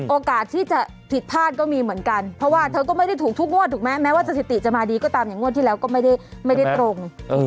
โอกาสที่จะผิดพลาดก็มีเหมือนกันเพราะว่าเธอก็ไม่ได้ถูกทุกงวดถูกไหมแม้ว่าสถิติจะมาดีก็ตามอย่างงวดที่แล้วก็ไม่ได้ตรง